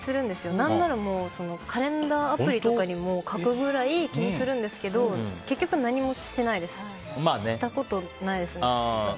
何ならカレンダーアプリとかにも書くくらい気にするんですけど結局、何もしないです。